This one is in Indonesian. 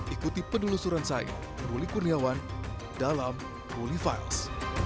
ikuti penelusuran saya ruli kurniawan dalam ruli files